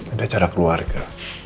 ada acara keluarga